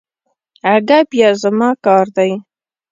اگه بيا زما کار دی.